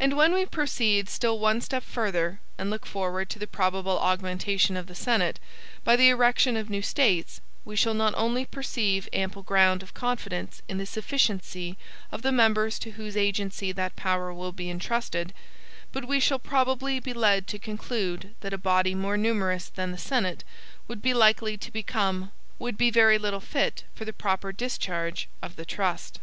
And when we proceed still one step further, and look forward to the probable augmentation of the Senate, by the erection of new States, we shall not only perceive ample ground of confidence in the sufficiency of the members to whose agency that power will be intrusted, but we shall probably be led to conclude that a body more numerous than the Senate would be likely to become, would be very little fit for the proper discharge of the trust.